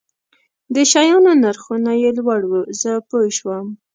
د شیانو نرخونه یې لوړ وو، زه پوه شوم.